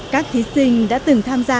các thí sinh đã từng tham gia